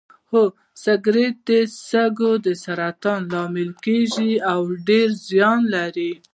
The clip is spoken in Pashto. هو سګرټ د سږو د سرطان لامل کیږي او ډیر زیان لري